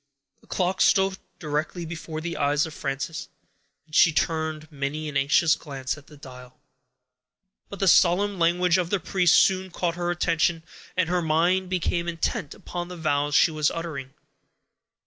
The clock stood directly before the eyes of Frances, and she turned many an anxious glance at the dial; but the solemn language of the priest soon caught her attention, and her mind became intent upon the vows she was uttering.